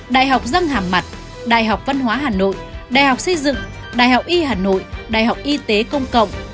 đại học dân hàm mặt đại học văn hóa hà nội đại học xây dựng đại học y hà nội đại học y tế công cộng